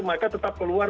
mereka tetap keluar